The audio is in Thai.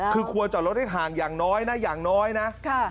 คือควรจอดรถให้ห่างอย่างน้อยนะอย่างน้อยนะ